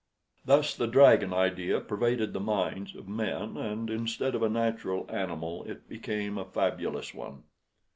Thus the dragon idea pervaded the minds of men, and instead of a natural animal it became a fabulous one.